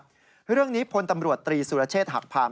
เรื่องนี้พลตำรวจตรีสุรเชษฐ์หักพาม